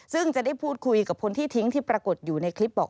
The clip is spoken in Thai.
ซึ่งจะได้พูดคุยกับคนที่ทิ้งที่ปรากฏอยู่ในคลิปบอก